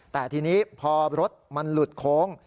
แต่ทีนี้พอรถมันหลุดโค้ง